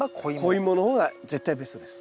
子イモの方が絶対ベストです。